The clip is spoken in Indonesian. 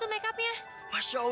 yaudah yuk kita lari yuk